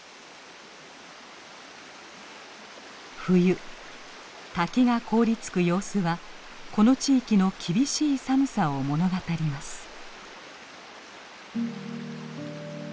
冬滝が凍りつく様子はこの地域の厳しい寒さを物語ります。